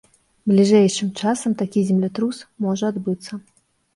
Бліжэйшым часам такі землятрус можа адбыцца.